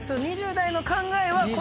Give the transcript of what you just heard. ２０代の考えは。